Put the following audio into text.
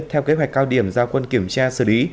theo kế hoạch cao điểm giao quân kiểm tra xử lý